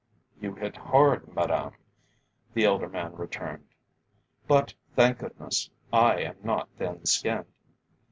"You hit hard, madam," the elder man returned; "but, thank goodness, I am not thin skinned.